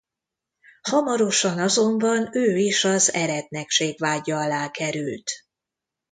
Hamarosan azonban ő is az eretnekség vádja alá került.